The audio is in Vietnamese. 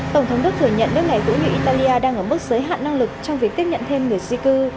tổng thống đức thừa nhận nước này cũng như italia đang ở mức giới hạn năng lực trong việc tiếp nhận thêm người di cư